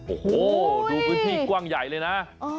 โอ้โหดูพื้นที่กว้างใหญ่เลยนะ